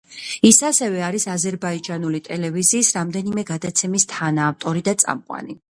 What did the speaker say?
ის ასევე არის აზერბაიჯანული ტელევიზიის რამდენიმე გადაცემის თანაავტორი და წამყვანი.